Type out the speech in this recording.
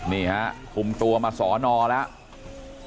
นี่ฮะคุมตัวมาสอนอแล้ว